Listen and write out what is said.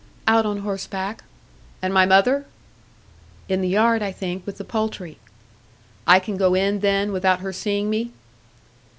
"Out on horseback." "And my mother?" "In the yard, I think, with the poultry." "I can go in, then, without her seeing me?"